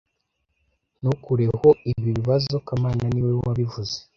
Ntukureho ibi bibazo kamana niwe wabivuze